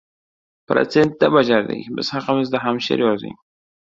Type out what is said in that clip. protsentta bajardik. Biz haqimizda ham she’r yozing